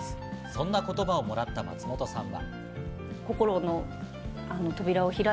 そんな言葉をもらった松本さん。